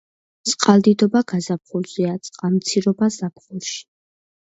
წყალდიდობა გაზაფხულზეა, წყალმცირობა ზაფხულში.